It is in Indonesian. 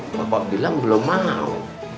bapak bilang belum mau